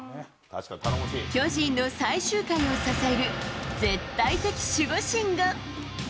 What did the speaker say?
巨人の最終回を支える絶対的守護神が。